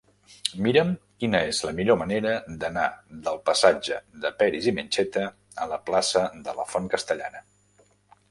Mira'm quina és la millor manera d'anar del passatge de Peris i Mencheta a la plaça de la Font Castellana.